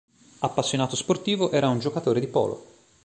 Appassionato sportivo, era un giocatore di polo.